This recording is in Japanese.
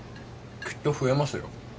きっと増えますよ。